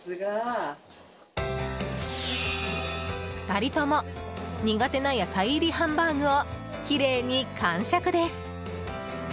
２人とも苦手な野菜入りハンバーグをきれいに完食です。